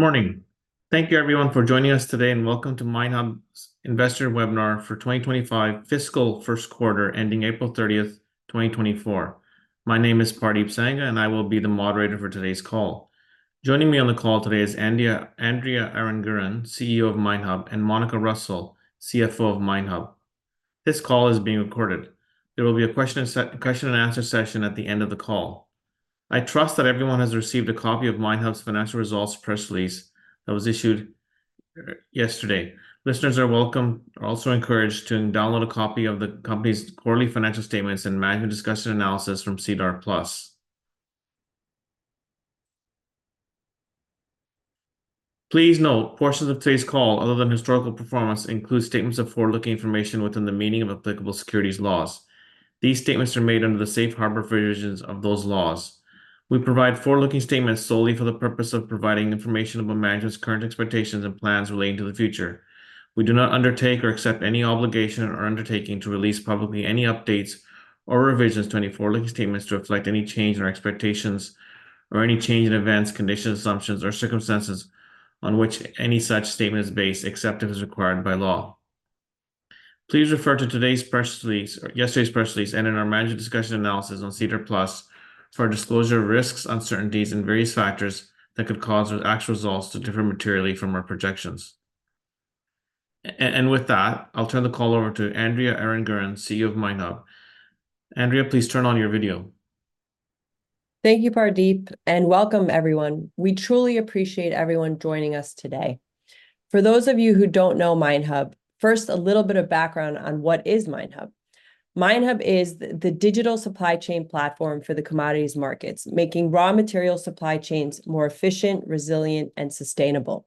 Good morning. Thank you everyone for joining us today, and welcome to MineHub's investor webinar for 2025 fiscal first quarter, ending April 30, 2024. My name is Pardeep Sangha, and I will be the moderator for today's call. Joining me on the call today is Andrea, Andrea Aranguren, CEO of MineHub, and Monika Russell, CFO of MineHub. This call is being recorded. There will be a question and answer session at the end of the call. I trust that everyone has received a copy of MineHub's financial results press release that was issued yesterday. Listeners are welcome, also encouraged to download a copy of the company's quarterly financial statements and Management's Discussion and Analysis from SEDAR+. Please note, portions of today's call, other than historical performance, include statements of forward-looking information within the meaning of applicable securities laws. These statements are made under the safe harbor provisions of those laws. We provide forward-looking statements solely for the purpose of providing information about management's current expectations and plans relating to the future. We do not undertake or accept any obligation or undertaking to release publicly any updates or revisions to any forward-looking statements to reflect any change in our expectations or any change in events, conditions, assumptions, or circumstances on which any such statement is based, except as required by law. Please refer to today's press release, yesterday's press release and in our management's discussion and analysis on SEDAR+ for our disclosure of risks, uncertainties, and various factors that could cause our actual results to differ materially from our projections. And with that, I'll turn the call over to Andrea Aranguren, CEO of MineHub. Andrea, please turn on your video. Thank you, Pardeep, and welcome everyone. We truly appreciate everyone joining us today. For those of you who don't know MineHub, first, a little bit of background on what is MineHub. MineHub is the digital supply chain platform for the commodities markets, making raw material supply chains more efficient, resilient, and sustainable.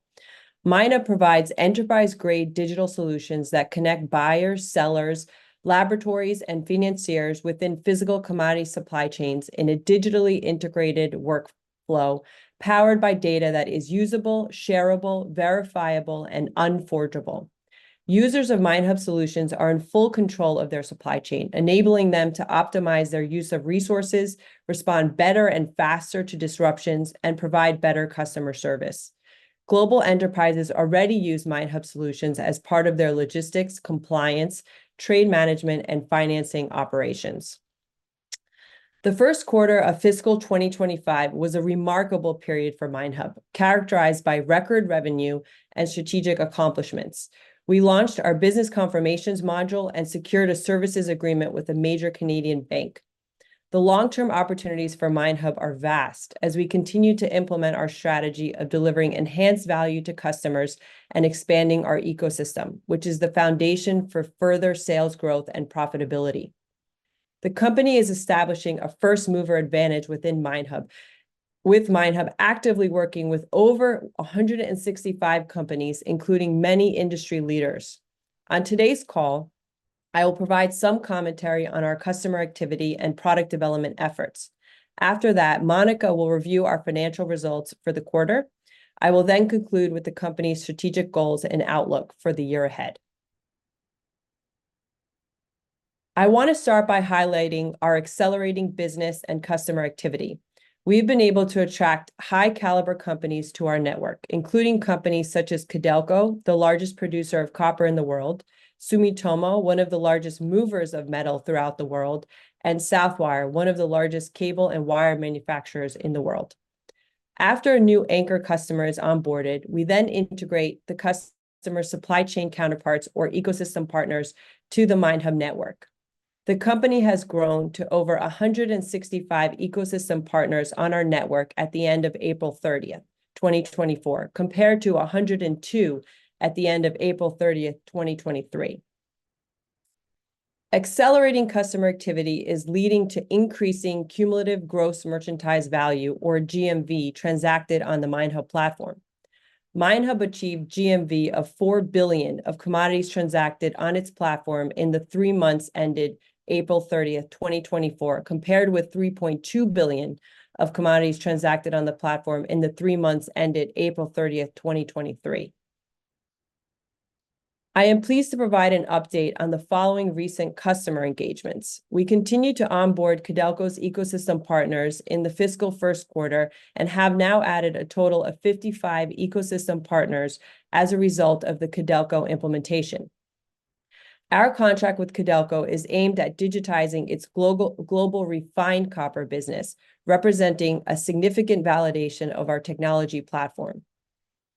MineHub provides enterprise-grade digital solutions that connect buyers, sellers, laboratories, and financiers within physical commodity supply chains in a digitally integrated workflow, powered by data that is usable, shareable, verifiable, and unforgeable. Users of MineHub solutions are in full control of their supply chain, enabling them to optimize their use of resources, respond better and faster to disruptions, and provide better customer service. Global enterprises already use MineHub solutions as part of their logistics, compliance, trade management, and financing operations. The first quarter of fiscal 2025 was a remarkable period for MineHub, characterized by record revenue and strategic accomplishments. We launched our Business Confirmations Module and secured a services agreement with a major Canadian bank. The long-term opportunities for MineHub are vast, as we continue to implement our strategy of delivering enhanced value to customers and expanding our ecosystem, which is the foundation for further sales growth and profitability. The company is establishing a first-mover advantage within MineHub, with MineHub actively working with over 165 companies, including many industry leaders. On today's call, I will provide some commentary on our customer activity and product development efforts. After that, Monika will review our financial results for the quarter. I will then conclude with the company's strategic goals and outlook for the year ahead. I want to start by highlighting our accelerating business and customer activity. We've been able to attract high-caliber companies to our network, including companies such as Codelco, the largest producer of copper in the world, Sumitomo, one of the largest movers of metal throughout the world, and Southwire, one of the largest cable and wire manufacturers in the world. After a new anchor customer is onboarded, we then integrate the customer's supply chain counterparts or ecosystem partners to the MineHub network. The company has grown to over 165 ecosystem partners on our network at the end of April 30th, 2024, compared to 102 at the end of April 30th, 2023. Accelerating customer activity is leading to increasing cumulative gross merchandise value, or GMV, transacted on the MineHub platform. MineHub achieved GMV of $4 billion of commodities transacted on its platform in the three months ended April 30th, 2024, compared with $3.2 billion of commodities transacted on the platform in the three months ended April 30th, 2023. I am pleased to provide an update on the following recent customer engagements. We continued to onboard Codelco's ecosystem partners in the fiscal first quarter and have now added a total of 55 ecosystem partners as a result of the Codelco implementation. Our contract with Codelco is aimed at digitizing its global, global refined copper business, representing a significant validation of our technology platform.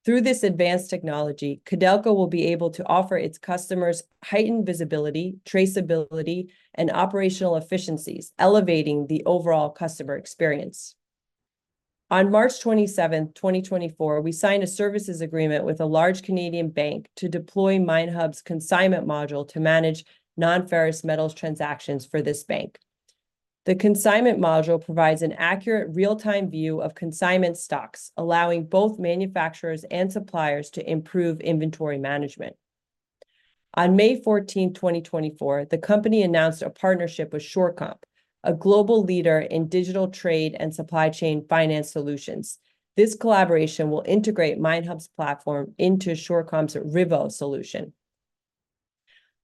Through this advanced technology, Codelco will be able to offer its customers heightened visibility, traceability, and operational efficiencies, elevating the overall customer experience. On March 27th, 2024, we signed a services agreement with a large Canadian bank to deploy MineHub's Consignment Module to manage non-ferrous metals transactions for this bank. The Consignment Module provides an accurate, real-time view of consignment stocks, allowing both manufacturers and suppliers to improve inventory management. On May 14th, 2024, the company announced a partnership with Surecomp, a global leader in digital trade and supply chain finance solutions. This collaboration will integrate MineHub's platform into Surecomp's RIVO solution.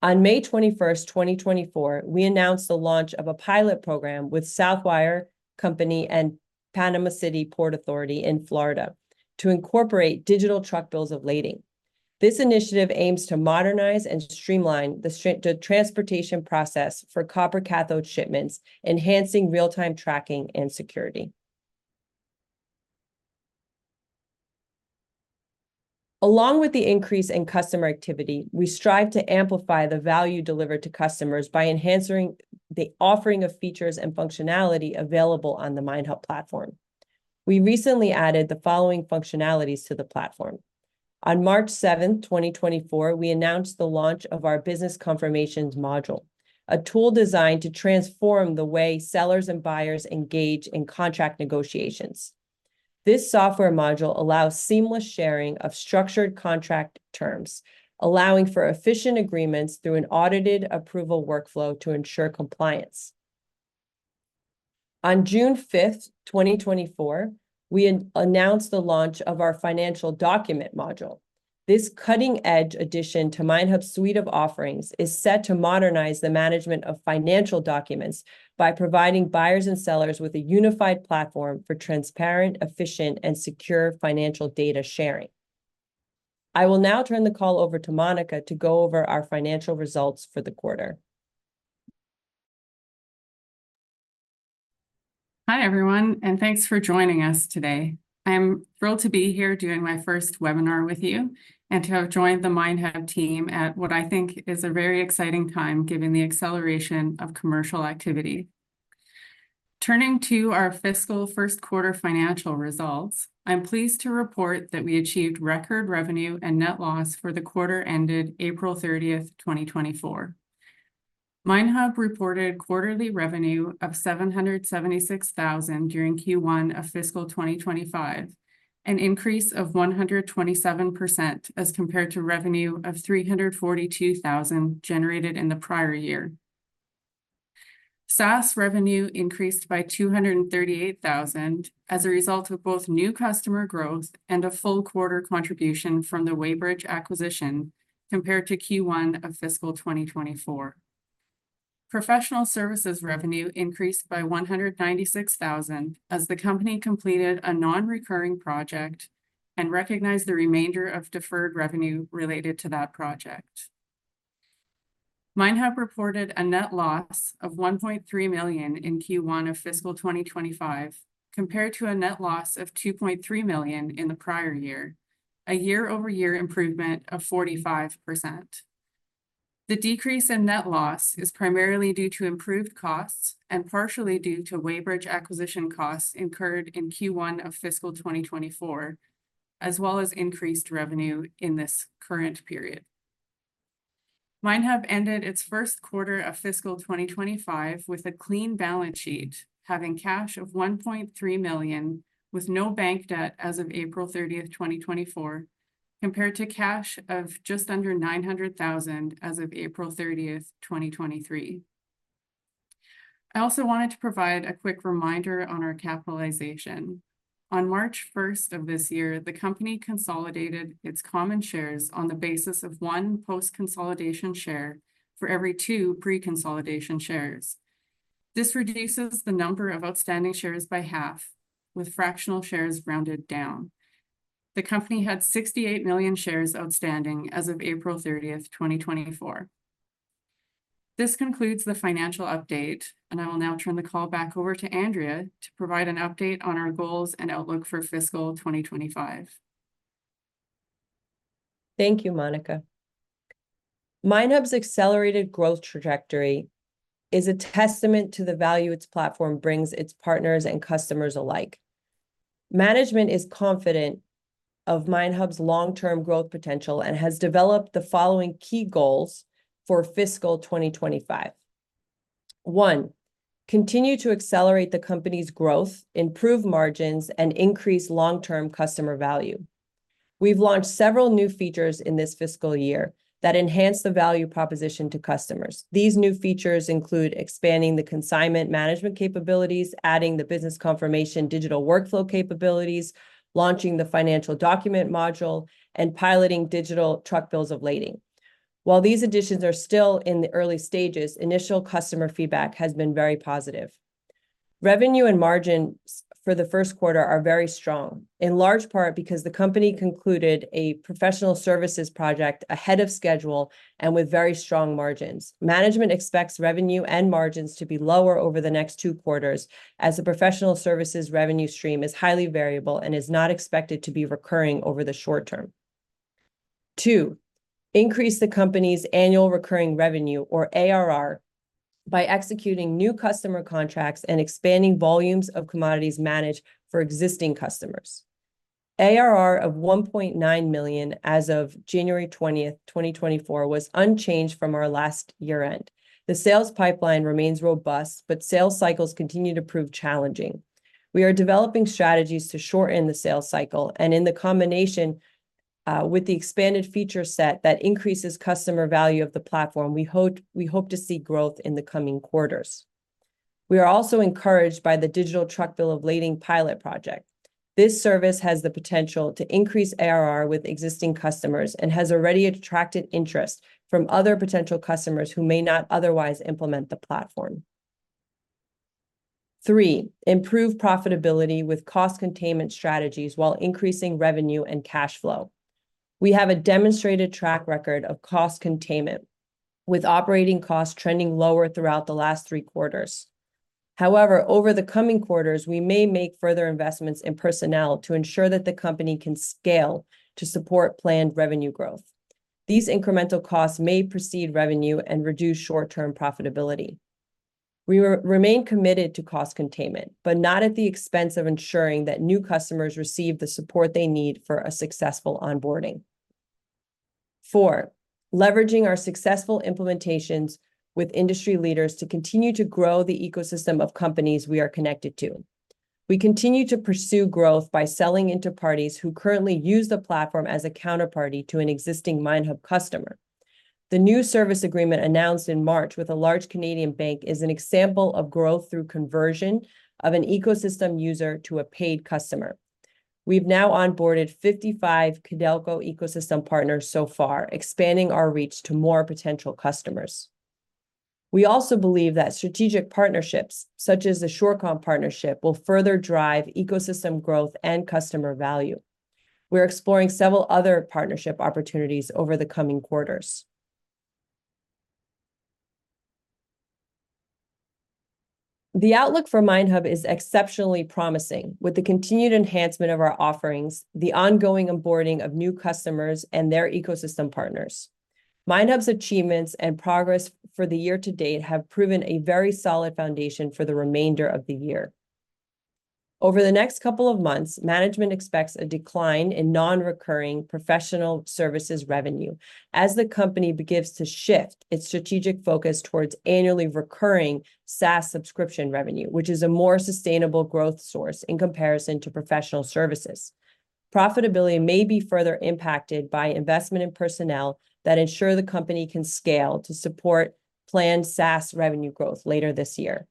On May 21st, 2024, we announced the launch of a pilot program with Southwire Company and Panama City Port Authority in Florida to incorporate digital truck bills of lading. This initiative aims to modernize and streamline the transportation process for copper cathode shipments, enhancing real-time tracking and security. Along with the increase in customer activity, we strive to amplify the value delivered to customers by enhancing the offering of features and functionality available on the MineHub platform. We recently added the following functionalities to the platform: On March 7th, 2024, we announced the launch of our Business Confirmations Module, a tool designed to transform the way sellers and buyers engage in contract negotiations. This software module allows seamless sharing of structured contract terms, allowing for efficient agreements through an audited approval workflow to ensure compliance. On June 5th, 2024, we announced the launch of our Financial Document Module. This cutting-edge addition to MineHub's suite of offerings is set to modernize the management of financial documents by providing buyers and sellers with a unified platform for transparent, efficient, and secure financial data sharing. I will now turn the call over to Monika to go over our financial results for the quarter. Hi, everyone, and thanks for joining us today. I'm thrilled to be here doing my first webinar with you, and to have joined the MineHub team at what I think is a very exciting time, given the acceleration of commercial activity. Turning to our fiscal first quarter financial results, I'm pleased to report that we achieved record revenue and net loss for the quarter ended April 30th, 2024. MineHub reported quarterly revenue of 776,000 during Q1 of fiscal 2025, an increase of 127% as compared to revenue of 342,000 generated in the prior year. SaaS revenue increased by 238,000 as a result of both new customer growth and a full quarter contribution from the Waybridge acquisition compared to Q1 of fiscal 2024. Professional services revenue increased by 196,000 as the company completed a non-recurring project and recognized the remainder of deferred revenue related to that project. MineHub reported a net loss of 1.3 million in Q1 of fiscal 2025, compared to a net loss of 2.3 million in the prior year, a year-over-year improvement of 45%. The decrease in net loss is primarily due to improved costs and partially due to Waybridge acquisition costs incurred in Q1 of fiscal 2024, as well as increased revenue in this current period. MineHub ended its first quarter of fiscal 2025 with a clean balance sheet, having cash of 1.3 million, with no bank debt as of April 30th, 2024, compared to cash of just under 900,000 as of April 30th, 2023. I also wanted to provide a quick reminder on our capitalization. On March 1st of this year, the company consolidated its common shares on the basis of one post-consolidation share for every two pre-consolidation shares. This reduces the number of outstanding shares by half, with fractional shares rounded down. The company had 68 million shares outstanding as of April 30th, 2024. This concludes the financial update, and I will now turn the call back over to Andrea to provide an update on our goals and outlook for fiscal 2025. Thank you, Monika. MineHub's accelerated growth trajectory is a testament to the value its platform brings its partners and customers alike. Management is confident of MineHub's long-term growth potential and has developed the following key goals for fiscal 2025. One, continue to accelerate the company's growth, improve margins, and increase long-term customer value. We've launched several new features in this fiscal year that enhance the value proposition to customers. These new features include expanding the consignment management capabilities, adding the business confirmation digital workflow capabilities, launching the Financial Document Module, and piloting digital truck bills of lading. While these additions are still in the early stages, initial customer feedback has been very positive. Revenue and margin for the first quarter are very strong, in large part because the company concluded a professional services project ahead of schedule and with very strong margins. Management expects revenue and margins to be lower over the next two quarters, as the professional services revenue stream is highly variable and is not expected to be recurring over the short term. Two, increase the company's annual recurring revenue, or ARR, by executing new customer contracts and expanding volumes of commodities managed for existing customers. ARR of 1.9 million as of January 20th, 2024, was unchanged from our last year-end. The sales pipeline remains robust, but sales cycles continue to prove challenging. We are developing strategies to shorten the sales cycle, and in the combination, with the expanded feature set that increases customer value of the platform, we hope, we hope to see growth in the coming quarters. We are also encouraged by the digital truck bill of lading pilot project. This service has the potential to increase ARR with existing customers, and has already attracted interest from other potential customers who may not otherwise implement the platform. Three, improve profitability with cost containment strategies while increasing revenue and cash flow. We have a demonstrated track record of cost containment, with operating costs trending lower throughout the last three quarters. However, over the coming quarters, we may make further investments in personnel to ensure that the company can scale to support planned revenue growth. These incremental costs may precede revenue and reduce short-term profitability. We remain committed to cost containment, but not at the expense of ensuring that new customers receive the support they need for a successful onboarding. Four, leveraging our successful implementations with industry leaders to continue to grow the ecosystem of companies we are connected to. We continue to pursue growth by selling into parties who currently use the platform as a counterparty to an existing MineHub customer. The new service agreement announced in March with a large Canadian bank is an example of growth through conversion of an ecosystem user to a paid customer. We've now onboarded 55 Codelco ecosystem partners so far, expanding our reach to more potential customers. We also believe that strategic partnerships, such as the Surecomp partnership, will further drive ecosystem growth and customer value. We're exploring several other partnership opportunities over the coming quarters. The outlook for MineHub is exceptionally promising. With the continued enhancement of our offerings, the ongoing onboarding of new customers, and their ecosystem partners. MineHub's achievements and progress for the year to date have proven a very solid foundation for the remainder of the year. Over the next couple of months, management expects a decline in non-recurring professional services revenue as the company begins to shift its strategic focus towards annually recurring SaaS subscription revenue, which is a more sustainable growth source in comparison to professional services. Profitability may be further impacted by investment in personnel that ensure the company can scale to support planned SaaS revenue growth later this year.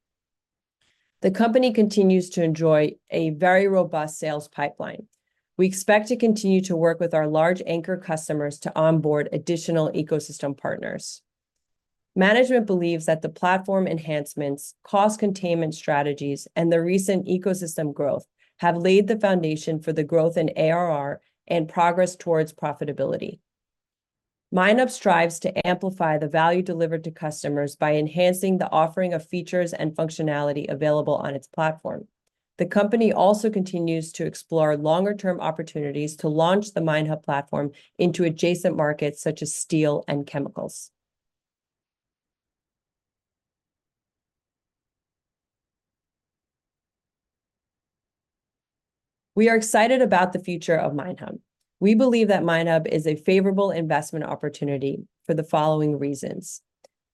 The company continues to enjoy a very robust sales pipeline. We expect to continue to work with our large anchor customers to onboard additional ecosystem partners. Management believes that the platform enhancements, cost containment strategies, and the recent ecosystem growth, have laid the foundation for the growth in ARR and progress towards profitability. MineHub strives to amplify the value delivered to customers by enhancing the offering of features and functionality available on its platform. The company also continues to explore longer-term opportunities to launch the MineHub platform into adjacent markets, such as steel and chemicals. We are excited about the future of MineHub. We believe that MineHub is a favorable investment opportunity for the following reasons: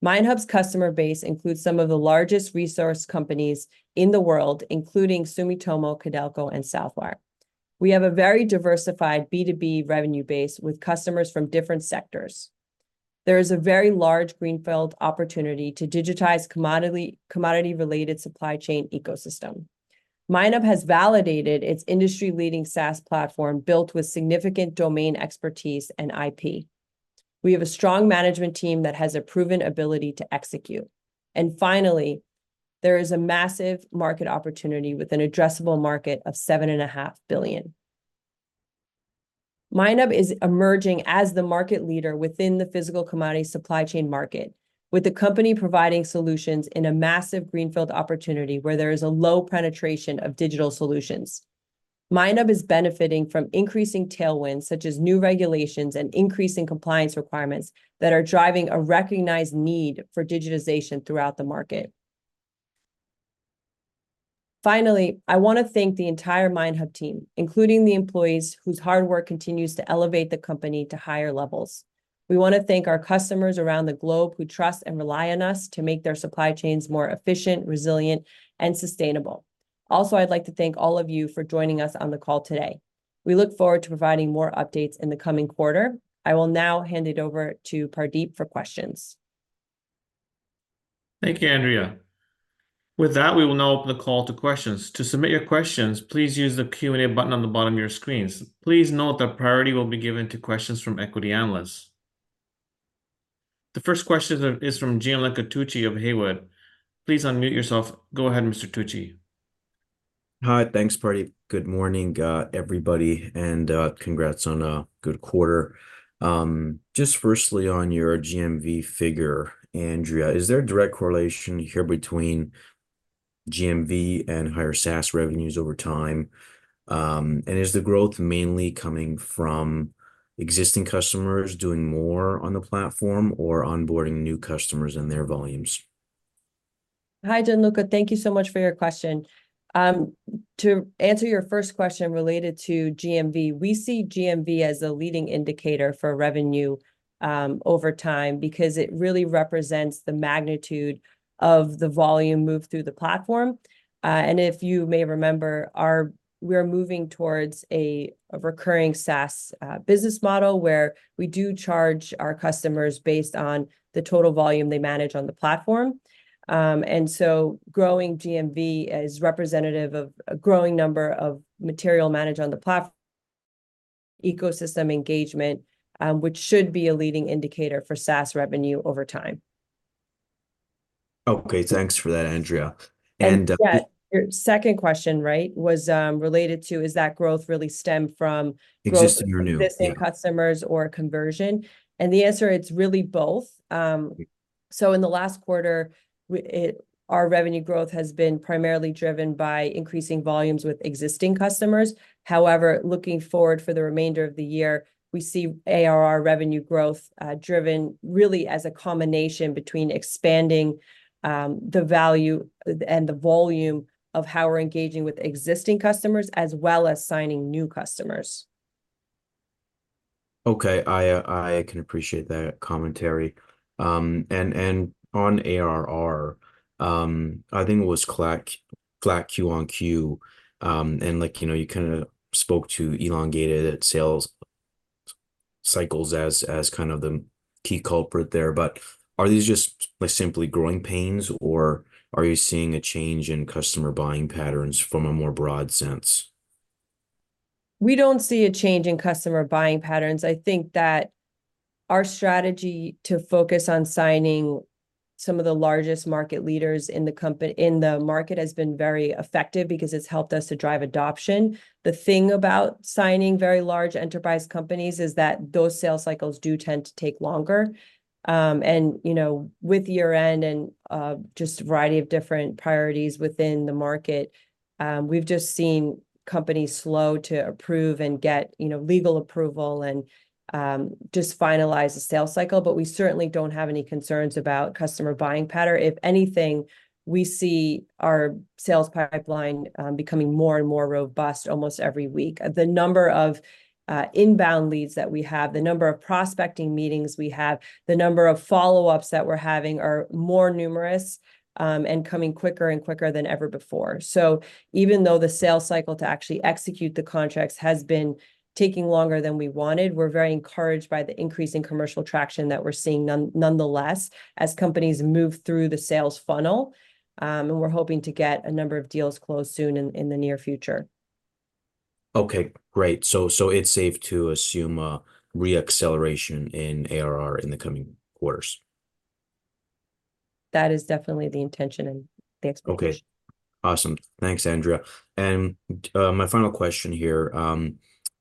MineHub's customer base includes some of the largest resource companies in the world, including Sumitomo, Codelco, and Southwire. We have a very diversified B2B revenue base with customers from different sectors. There is a very large greenfield opportunity to digitize commodity, commodity-related supply chain ecosystem. MineHub has validated its industry-leading SaaS platform, built with significant domain expertise and IP. We have a strong management team that has a proven ability to execute. And finally, there is a massive market opportunity, with an addressable market of 7.5 billion. MineHub is emerging as the market leader within the physical commodity supply chain market, with the company providing solutions in a massive greenfield opportunity, where there is a low penetration of digital solutions. MineHub is benefiting from increasing tailwinds, such as new regulations and increasing compliance requirements, that are driving a recognized need for digitization throughout the market. Finally, I wanna thank the entire MineHub team, including the employees, whose hard work continues to elevate the company to higher levels. We wanna thank our customers around the globe, who trust and rely on us to make their supply chains more efficient, resilient, and sustainable. Also, I'd like to thank all of you for joining us on the call today. We look forward to providing more updates in the coming quarter. I will now hand it over to Pardeep for questions. Thank you, Andrea. With that, we will now open the call to questions. To submit your questions, please use the Q&A button on the bottom of your screens. Please note that priority will be given to questions from equity analysts. The first question is from Gianluca Tucci of Haywood. Please unmute yourself. Go ahead, Mr. Tucci. Hi, thanks, Pardeep. Good morning, everybody, and, congrats on a good quarter. Just firstly, on your GMV figure, Andrea, is there a direct correlation here between GMV and higher SaaS revenues over time? And is the growth mainly coming from existing customers doing more on the platform, or onboarding new customers and their volumes? Hi, Gianluca. Thank you so much for your question. To answer your first question related to GMV, we see GMV as a leading indicator for revenue over time, because it really represents the magnitude of the volume moved through the platform. And if you may remember, we're moving towards a recurring SaaS business model, where we do charge our customers based on the total volume they manage on the platform. And so growing GMV is representative of a growing number of material managed on the platform ecosystem engagement, which should be a leading indicator for SaaS revenue over time. Okay, thanks for that, Andrea. And yeah, your second question, right, was related to, is that growth really stem from growth. Existing or new, yeah. Existing customers or conversion? The answer, it's really both. So in the last quarter, our revenue growth has been primarily driven by increasing volumes with existing customers. However, looking forward for the remainder of the year, we see ARR revenue growth, driven really as a combination between expanding, the value and the volume of how we're engaging with existing customers, as well as signing new customers. Okay. I, I can appreciate that commentary. And, and on ARR, I think it was flat Q-on-Q, and like, you know, you kinda spoke to elongated sales cycles as, as kind of the key culprit there. But are these just simply growing pains, or are you seeing a change in customer buying patterns from a more broad sense? We don't see a change in customer buying patterns. I think that our strategy to focus on signing some of the largest market leaders in the market has been very effective because it's helped us to drive adoption. The thing about signing very large enterprise companies is that those sales cycles do tend to take longer. And, you know, with year-end and just a variety of different priorities within the market, we've just seen companies slow to approve and get, you know, legal approval and just finalize the sales cycle. But we certainly don't have any concerns about customer buying pattern. If anything, we see our sales pipeline becoming more and more robust almost every week. The number of inbound leads that we have, the number of prospecting meetings we have, the number of follow-ups that we're having are more numerous, and coming quicker and quicker than ever before. So even though the sales cycle to actually execute the contracts has been taking longer than we wanted, we're very encouraged by the increase in commercial traction that we're seeing nonetheless, as companies move through the sales funnel, and we're hoping to get a number of deals closed soon in the near future. Okay, great. So, it's safe to assume a re-acceleration in ARR in the coming quarters? That is definitely the intention and the expectation. Okay. Awesome. Thanks, Andrea. And my final question here,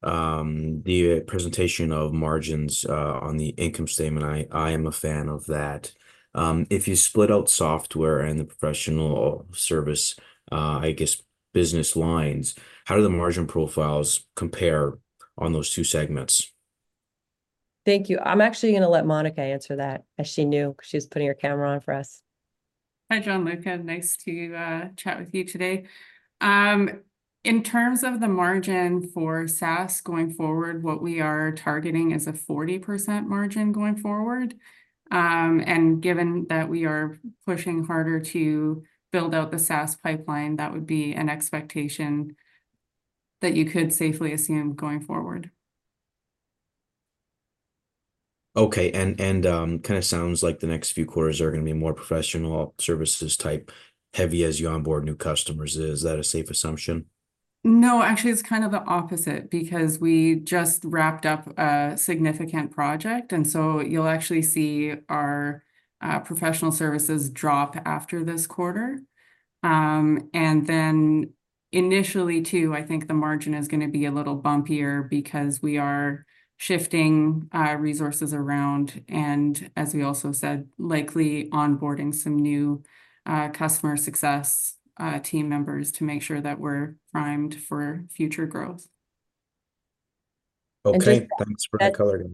the presentation of margins on the income statement, I am a fan of that. If you split out software and the professional service, I guess, business lines, how do the margin profiles compare on those two segments? Thank you. I'm actually gonna let Monika answer that, as she knew, 'cause she's putting her camera on for us. Hi, Gianluca, nice to chat with you today. In terms of the margin for SaaS going forward, what we are targeting is a 40% margin going forward. Given that we are pushing harder to build out the SaaS pipeline, that would be an expectation that you could safely assume going forward. Okay, and, it kinda sounds like the next few quarters are gonna be more professional services type, heavy as you onboard new customers. Is that a safe assumption? No, actually, it's kind of the opposite, because we just wrapped up a significant project, and so you'll actually see our professional services drop after this quarter. And then initially, too, I think the margin is gonna be a little bumpier because we are shifting resources around, and as we also said, likely onboarding some new customer success team members to make sure that we're primed for future growth. And just. Okay, thanks for that clarity.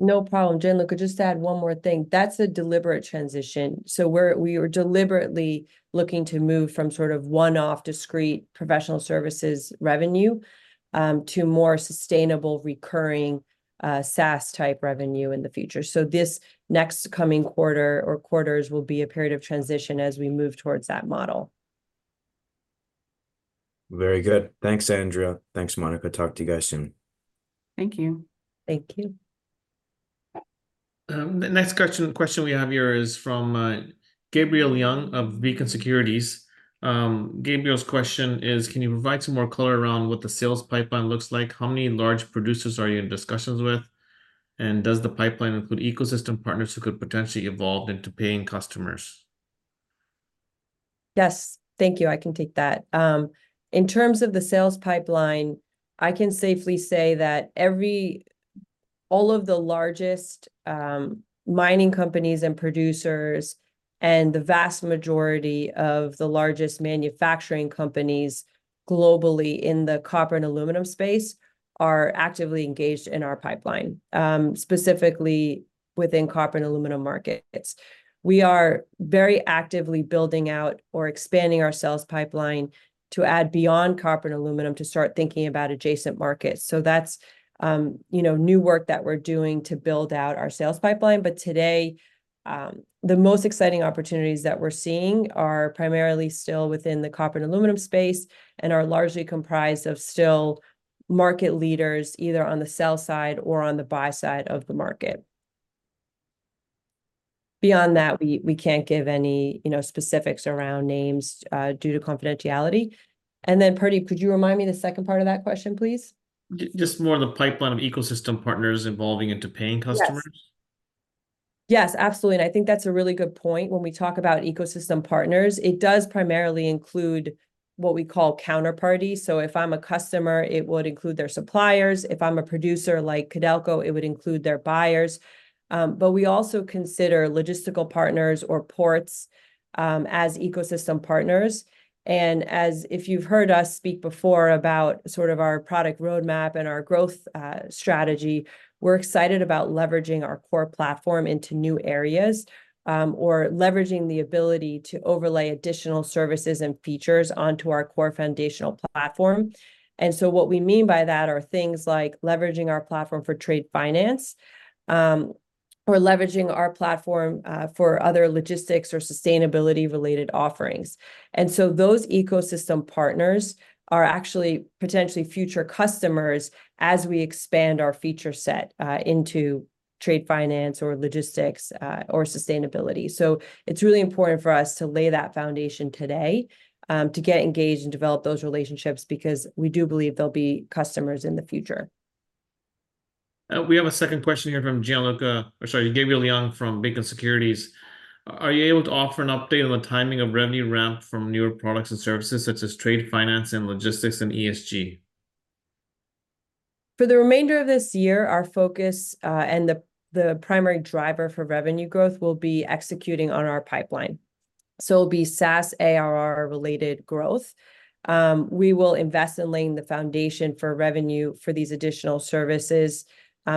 No problem. Gianluca, just add one more thing. That's a deliberate transition, so we are deliberately looking to move from sort of one-off, discrete professional services revenue to more sustainable, recurring SaaS-type revenue in the future. So this next coming quarter or quarters will be a period of transition as we move towards that model. Very good. Thanks, Andrea. Thanks, Monika. Talk to you guys soon. Thank you. Thank you. The next question we have here is from Gabriel Leung of Beacon Securities. Gabriel's question is: Can you provide some more color around what the sales pipeline looks like? How many large producers are you in discussions with? And does the pipeline include ecosystem partners who could potentially evolve into paying customers? Yes. Thank you, I can take that. In terms of the sales pipeline, I can safely say that every, all of the largest mining companies and producers, and the vast majority of the largest manufacturing companies globally in the copper and aluminum space, are actively engaged in our pipeline, specifically within copper and aluminum markets. We are very actively building out or expanding our sales pipeline to add beyond copper and aluminum to start thinking about adjacent markets. So that's, you know, new work that we're doing to build out our sales pipeline. But today, the most exciting opportunities that we're seeing are primarily still within the copper and aluminum space, and are largely comprised of still market leaders, either on the sell side or on the buy side of the market. Beyond that, we can't give any, you know, specifics around names due to confidentiality. And then, Pardeep, could you remind me the second part of that question, please? Just more the pipeline of ecosystem partners evolving into paying customers. Yes. Yes, absolutely, and I think that's a really good point. When we talk about ecosystem partners, it does primarily include what we call counterparty. So if I'm a customer, it would include their suppliers. If I'm a producer, like Codelco, it would include their buyers. But we also consider logistical partners or ports as ecosystem partners. And if you've heard us speak before about sort of our product roadmap and our growth strategy, we're excited about leveraging our core platform into new areas, or leveraging the ability to overlay additional services and features onto our core foundational platform. And so what we mean by that are things like leveraging our platform for trade finance, or leveraging our platform for other logistics or sustainability-related offerings. Those ecosystem partners are actually potentially future customers as we expand our feature set into trade finance or logistics or sustainability. It's really important for us to lay that foundation today, to get engaged and develop those relationships, because we do believe they'll be customers in the future. We have a second question here from Gianluca, or sorry, Gabriel Leung from Beacon Securities. Are you able to offer an update on the timing of revenue ramp from newer products and services, such as trade finance, and logistics, and ESG? For the remainder of this year, our focus and the primary driver for revenue growth will be executing on our pipeline. So it'll be SaaS ARR-related growth. We will invest in laying the foundation for revenue for these additional services,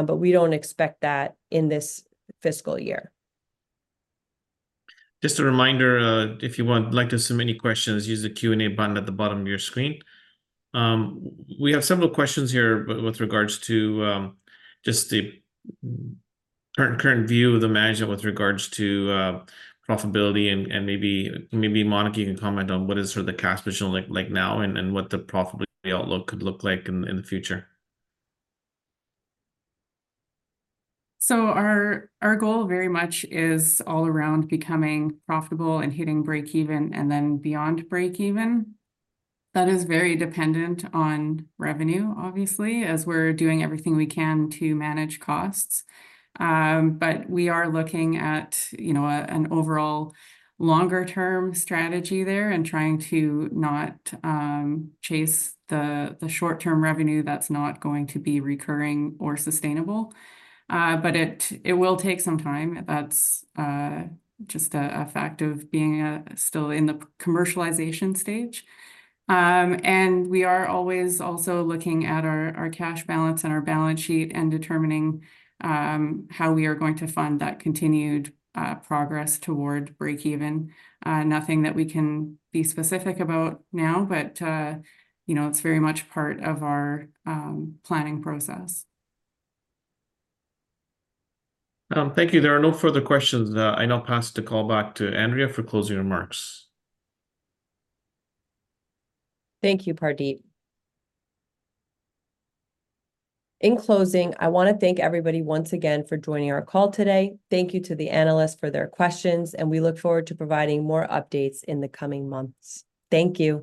but we don't expect that in this fiscal year. Just a reminder, if you want, like, to submit any questions, use the Q&A button at the bottom of your screen. We have several questions here with regards to just the current view of the management with regards to profitability, and maybe Monika, you can comment on what the cash position looks like now, and what the profitability outlook could look like in the future. So our goal very much is all around becoming profitable and hitting breakeven, and then beyond breakeven. That is very dependent on revenue, obviously, as we're doing everything we can to manage costs. But we are looking at, you know, an overall longer term strategy there, and trying to not chase the short-term revenue that's not going to be recurring or sustainable. But it will take some time. That's just a fact of being still in the commercialization stage. And we are always also looking at our cash balance and our balance sheet, and determining how we are going to fund that continued progress toward breakeven. Nothing that we can be specific about now, but, you know, it's very much part of our planning process. Thank you. There are no further questions. I now pass the call back to Andrea for closing remarks. Thank you, Pardeep. In closing, I wanna thank everybody once again for joining our call today. Thank you to the analysts for their questions, and we look forward to providing more updates in the coming months. Thank you.